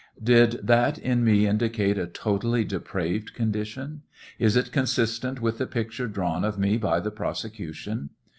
Did that i me indicate n totally depraved condition? Is it consistent with the picture draw of me by the prosecution